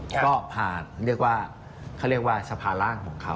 ก็ผ่านเรียกว่าเขาเรียกว่าสภาร่างของเขา